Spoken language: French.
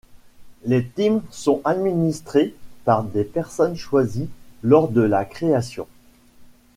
Les teams sont administrées par des personnes choisies lors de la création.